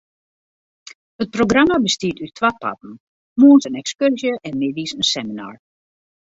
It programma bestiet út twa parten: moarns in ekskurzje en middeis in seminar.